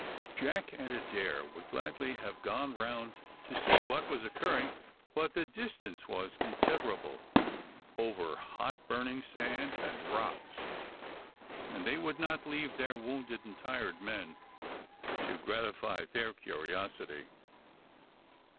Jack and Adair would gladly have gone round to see what was occurring, but the distance was considerable, over hot burning sand and rocks, and they would not leave their wounded and tired men to gratify their curiosity.